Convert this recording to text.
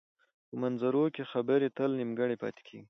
په مناظرو کې خبرې تل نیمګړې پاتې کېږي.